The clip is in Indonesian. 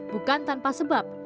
bukan tanpa sebab